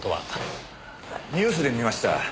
ニュースで見ました。